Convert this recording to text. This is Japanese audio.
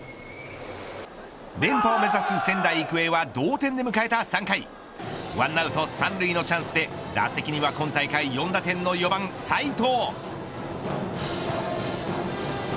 連覇を目指す仙台育英は同点で迎えた３回１アウト３塁のチャンスで打席には今大会４打点の４番斎藤。